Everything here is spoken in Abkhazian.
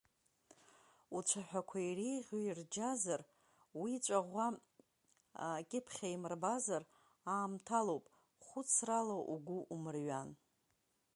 Уцәаҳәақәа иреиӷьу ирџьазар, уи ҵәаӷәа акьыԥхь аимырбазар, аамҭалоуп, хәыцрала угәы умырҩан.